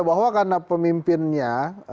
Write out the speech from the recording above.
bahwa karena pemimpinnya